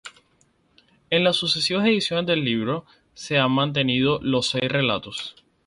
En las sucesivas ediciones del libro se han mantenido los seis relatos.